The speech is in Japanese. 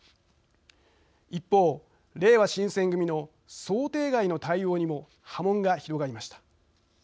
一方、れいわ新選組の想定外の対応にも波紋が広がりました。